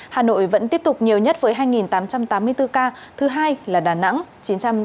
hà nội vẫn tiếp tục nhiều nhất với hai tám trăm tám mươi bốn ca thứ hai là đà nẵng chín trăm tám mươi ba ca